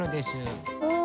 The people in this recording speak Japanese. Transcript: うん！